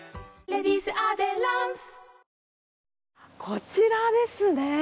こちらですね。